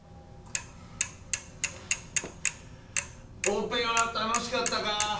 オペは楽しかったか？